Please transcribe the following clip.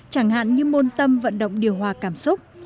chẳng hạn như môn tâm vận động điều hòa cảm xúc